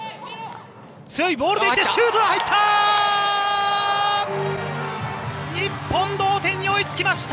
強いボールで行ってシュートが入った！